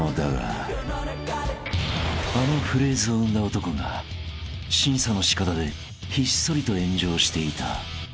あのフレーズを生んだ男が審査のしかたでひっそりと炎上していた］